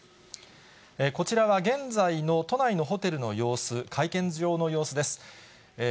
こちらは現在の都内のホテルの様子、会見場の様子です。